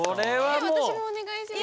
え私もお願いします。